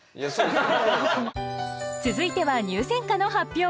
続いては入選歌の発表。